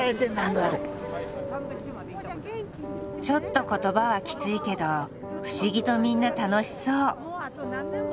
ちょっと言葉はきついけど不思議とみんな楽しそう。